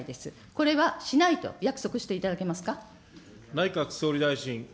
これはしないと約束していただけますか。